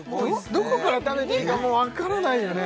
どこから食べていいかもうわからないよね